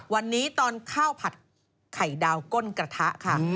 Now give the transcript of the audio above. วันนี้ตอนข้าวผัดไข่ดาวก้นกระทะค่ะ